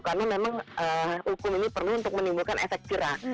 karena memang hukum ini perlu untuk menimbulkan efek cera